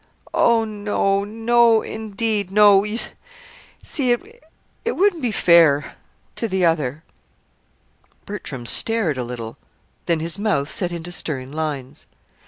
"Oh, no no, indeed, no! You see it wouldn't be fair to the other." Bertram stared a little. Then his mouth set into stern lines.